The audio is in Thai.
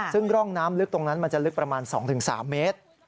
ซึ่งร่องน้ำลึกตรงนั้นมันจะลึกประมาณ๒๓เมตร